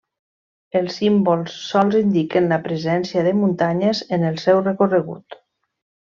Els símbols sols indiquen la presència de muntanyes en el seu recorregut.